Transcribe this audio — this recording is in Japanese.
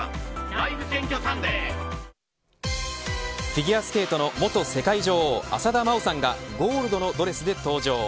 フィギュアスケートの元世界女王浅田真央さんがゴールドのドレスで登場。